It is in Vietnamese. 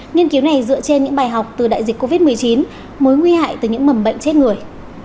nghiên cứu này dựa trên những bài học từ đại dịch covid một mươi chín mối nguy hại từ những mầm bệnh chết người